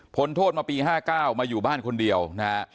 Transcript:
โทษมาปี๕๙มาอยู่บ้านคนเดียวนะฮะ